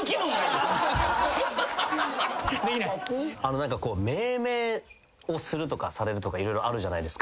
あの何か命名をするとかされるとか色々あるじゃないですか。